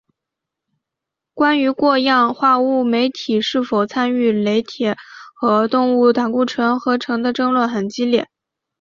关于过氧化物酶体是否参与类萜和动物胆固醇合成的争论很激烈。